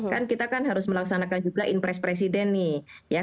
kan kita kan harus melaksanakan juga impres presiden nih